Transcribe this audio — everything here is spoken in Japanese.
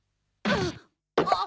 あっ！